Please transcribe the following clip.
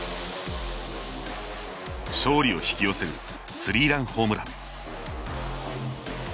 勝利を引き寄せるスリーランホームラン。